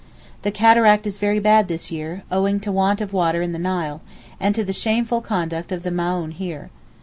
The Cataract is very bad this year, owing to want of water in the Nile, and to the shameful conduct of the Maohn here.